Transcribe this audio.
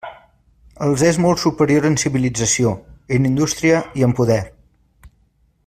Els és molt superior en civilització, en indústria i en poder.